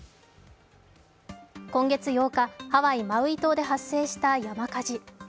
今月８日、ハワイ・マウイ島で発生した山火事。